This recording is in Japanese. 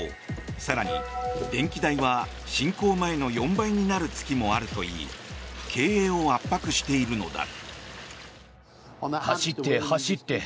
更に、電気代は侵攻前の４倍になる月もあるといい経営を圧迫しているのだ。